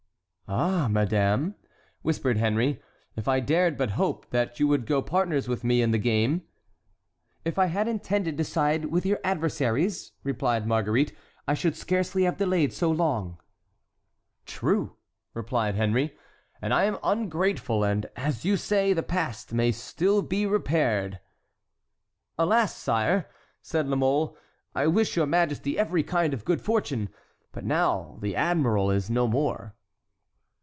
"Ah, madame," whispered Henry, "if I dared but hope that you would go partners with me in the game"— "If I had intended to side with your adversaries," replied Marguerite, "I should scarcely have delayed so long." "True!" replied Henry, "and I am ungrateful; and as you say, the past may still be repaired." "Alas! sire," said La Mole, "I wish your majesty every kind of good fortune; but now the admiral is no more."